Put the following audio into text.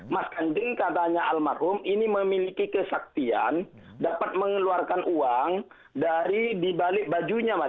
mas kanjeng katanya almarhum ini memiliki kesaktian dapat mengeluarkan uang dari dibalik bajunya mas